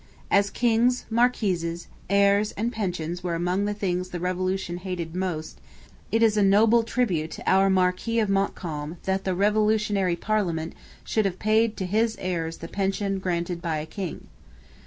As kings, marquises, heirs, and pensions were among the things the Revolution hated most, it is a notable tribute to our Marquis of Montcalm that the revolutionary parliament should have paid to his heirs the pension granted by a king.